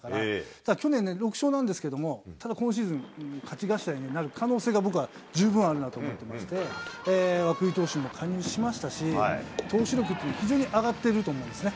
ただ去年ね、６勝なんですけども、ただ、今シーズン勝ち頭になる可能性は僕は十分あるなと思っていまして、涌井投手も加入しましたし、投手力という非常に上がっていると思うんですね。